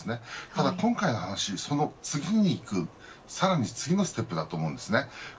ただ今回の話はその次に行くさらに次のステップだと思います。